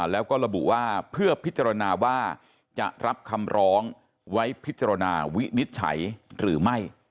แล้วก็ระบุว่าเพื่อพิจารณาว่าจะรับคำร้องไว้พิจารณาวินิจฉัยหรือไม่